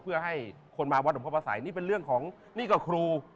เพื่อให้คนมาวัดหลวงพ่อพระสัยนี่เป็นเรื่องของนี่ก็ครู